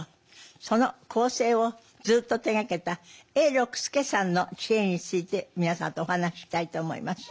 その構成をずっと手がけた永六輔さんの知恵について皆さんとお話ししたいと思います。